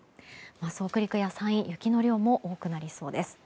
北陸や山陰は雪の量も多くなりそうです。